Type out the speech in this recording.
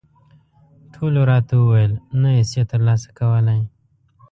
ټولو راته وویل، نه یې شې ترلاسه کولای.